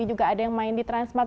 juga ada yang main di transmart